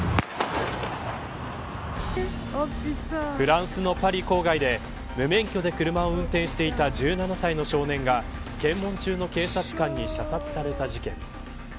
フランスのパリ郊外で無免許で車を運転していた１７歳の少年が検問中の警察官に射殺された事件。